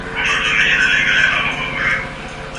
پخوانی فکري بېلور له منځه يوسئ.